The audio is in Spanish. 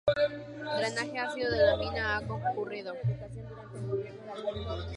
Drenaje ácido de la mina ha ocurrido.